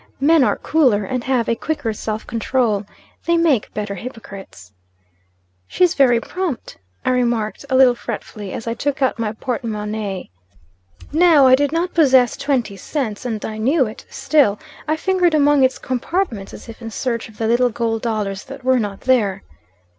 Men are cooler, and have a quicker self control. They make better hypocrites. "She's very prompt," I remarked, a little fretfully, as I took out my porte monnaie. Now I did not possess twenty cents, and I knew it; still, I fingered among its compartments as if in search of the little gold dollars that were not there.